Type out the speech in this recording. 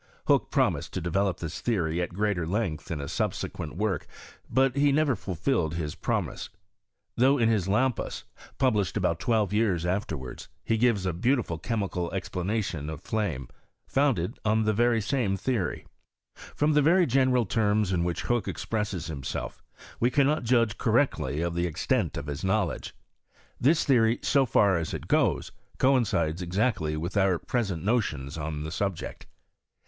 Hook prombed to de velop this theory at greater length in a subsequent ivork : but he never fulGUed his promise ; though in his Lampas, published about twelve years after wards, he gives a beautiful chemical explanation of flame, founded on the very same theory. From the very general terras in which Hook ex presses himself, we cannot judge correctly of the extent of his knowledge. This theory, so far as it goes, coincides exactly with our present notions on the subject.